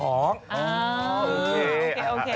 เอ้อโอเค